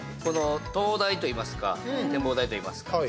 灯台といいますか展望台といいますか。